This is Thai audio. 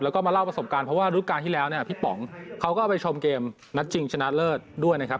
แล้วก็มาเล่าประสบการณ์เพราะว่ารูปการณ์ที่แล้วเนี่ยพี่ป๋องเขาก็ไปชมเกมนัดชิงชนะเลิศด้วยนะครับ